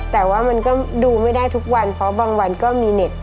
แต่ว่ามันก็ดูไม่ได้ทุกวันเพราะบางวันก็มีเน็ต